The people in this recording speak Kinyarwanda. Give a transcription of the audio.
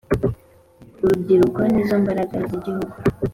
Urubyiruko nizo mbaraga z’Igihugu